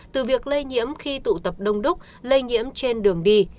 từ việc lây nhiễm khi tụ tập đông đúc lây nhiễm trên đường đi